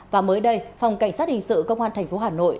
và mới đây phòng cảnh sát hình sự công an tp hà nội